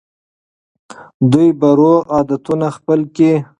دوی به روغ عادتونه خپل کړي.